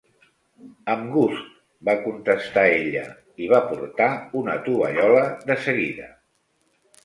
"Amb gust", va contestar ella, i va portar una tovallola de seguida.